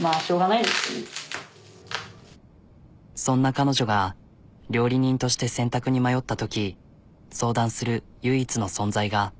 そんな彼女が料理人として選択に迷ったとき相談する唯一の存在が。